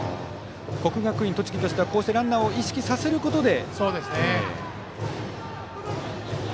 国学院栃木としてはこうしてランナーを意識させることで。